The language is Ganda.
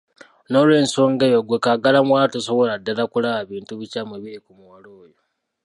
N'olwensonga eyo ggwe kaagala muwala tosobolera ddala kulaba bintu bikyamu ebiri ku muwala oyo.